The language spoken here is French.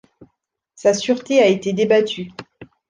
Sa sûreté a été débattue.